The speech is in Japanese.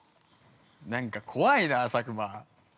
◆なんか怖いな、佐久間。